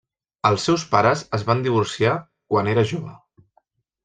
Els seus pares es van divorciar quan era jove.